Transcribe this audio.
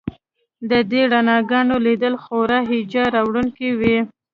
د دې رڼاګانو لیدل خورا هیجان راوړونکي وي